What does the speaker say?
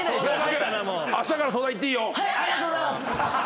ありがとうございます！